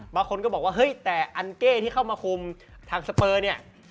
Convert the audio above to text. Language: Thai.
บางคนก็บอกว่าเฮ้ยแต่อันเก้ที่เข้ามาคุมทางสเปอร์เนี่ย